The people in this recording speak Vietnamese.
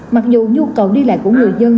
mặc dù nhu cầu đi lại của người dân